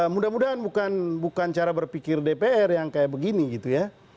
mudah mudahan bukan cara berpikir dpr yang kayak begini gitu ya